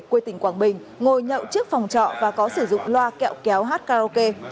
quê tỉnh quảng bình ngồi nhậu trước phòng trọ và có sử dụng loa kẹo kéo hát karaoke